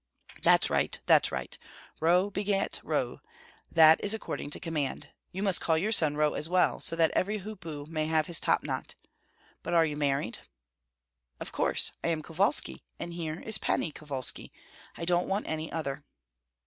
"That's right, that's right. Roh begat Roh, that is according to command. You must call your son Roh as well, so that every hoopoo may have his topknot. But are you married?" "Of course! I am Kovalski, and here is Pani Kovalski; I don't want any other."